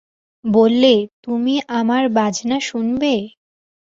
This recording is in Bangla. বললে, তুমি আমার বাজনা শুনবে?